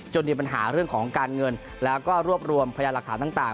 มีปัญหาเรื่องของการเงินแล้วก็รวบรวมพยานหลักฐานต่าง